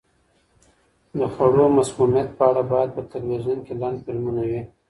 د خوړو مسمومیت په اړه باید په تلویزیون کې لنډ فلمونه وي.